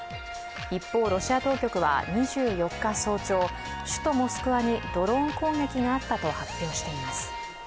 一方ロシア当局は、２４日早朝、首都モスクワにドローン攻撃があったと発表しています。